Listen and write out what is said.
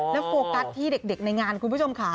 แล้วโฟกัสที่เด็กในงานคุณผู้ชมค่ะ